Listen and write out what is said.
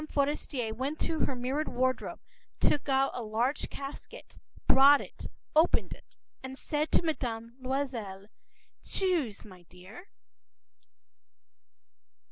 Forester went to her mirrored wardrobe, took out a large casket, brought it, opened it, and said to Mme. Loisel:—“Choose, my dear.